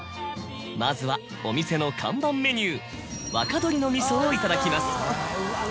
まずはお店の看板メニュー。をいただきます。